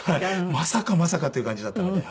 まさかまさかっていう感じだったので。